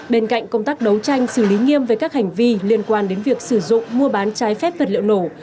bên cạnh công tác đấu tranh xử lý nghiêm về các hành vi liên quan đến việc sử dụng mua bán trái phép vật liệu nổ